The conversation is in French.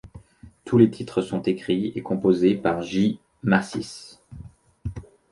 Tous les titres sont écrits et composés par J Mascis.